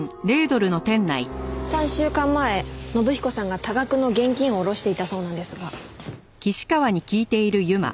３週間前信彦さんが多額の現金を下ろしていたそうなんですが。